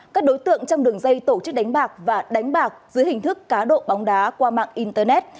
các đối tượng trong đường dây tổ chức đánh bạc và đánh bạc dưới hình thức cá độ bóng đá qua mạng internet